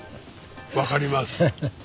わかります。